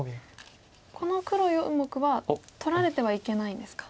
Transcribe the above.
この黒４目は取られてはいけないんですか。